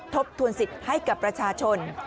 ทบทวนสิทธิ์ให้กับประชาชน